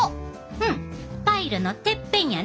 うんパイルのてっぺんやな。